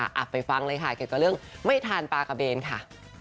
อ่ะไปฟังเลยค่ะเกี่ยวกับเรื่องไม่ทานปลากระเบนค่ะ